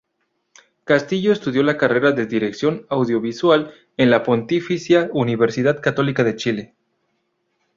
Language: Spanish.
Castillo estudió la carrera de Dirección Audiovisual en la Pontificia Universidad Católica de Chile.